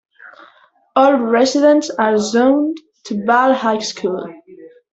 All residents are zoned to Ball High School.